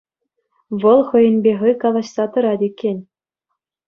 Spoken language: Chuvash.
Вӑл хӑйӗнпе хӑй калаҫса тӑрать иккен.